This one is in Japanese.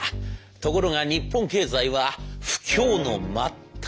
ところが日本経済は不況の真っただ中。